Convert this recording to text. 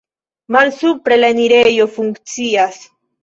Malsupre la enirejo funkcias.